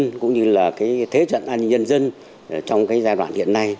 dân cũng như là cái thế trận an nhân dân trong cái giai đoạn hiện nay